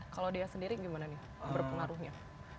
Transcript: kalau dia sendiri gimana nih berpengaruhnya